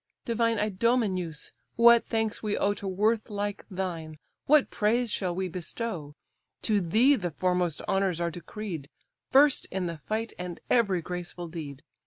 "Divine Idomeneus! what thanks we owe To worth like thine! what praise shall we bestow? To thee the foremost honours are decreed, First in the fight and every graceful deed.